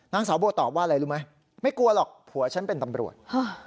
นางสาวโบตอบว่าอะไรรู้ไหมไม่กลัวหรอกผัวฉันเป็นตำรวจ